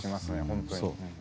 本当に。